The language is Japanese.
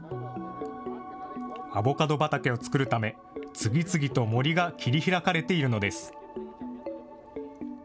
アボカド畑を作るため、次々と森が切り開かれているのです。